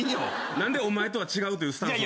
何でお前とは違うっていうスタンスなん？